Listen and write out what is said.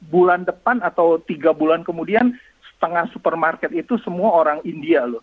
bulan depan atau tiga bulan kemudian setengah supermarket itu semua orang india loh